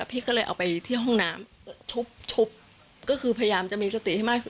พี่ก็เลยเอาไปที่ห้องน้ำทุบก็คือพยายามจะมีสติให้มาก